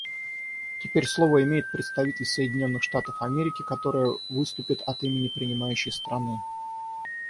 Теперь слово имеет представитель Соединенных Штатов Америки, которая выступит от имени принимающей страны.